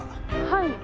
「はい」